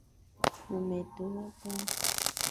kumetokana na jitihada zinazofanyika katika kuboresha